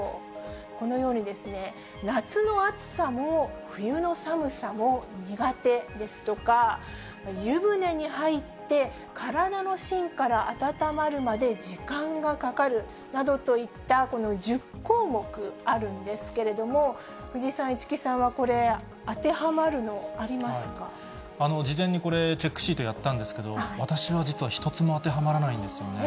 このように、夏の暑さも冬の寒さも苦手ですとか、湯船に入って、体の芯から温まるまで時間がかかるなどといったこの１０項目あるんですけれども、藤井さん、市來さんはこれ、当てはまるのあ事前にこれ、チェックシートやったんですけど、私は実は一つも当てはまらないんですよね。